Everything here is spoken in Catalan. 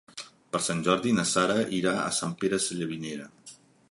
Per Sant Jordi na Sara irà a Sant Pere Sallavinera.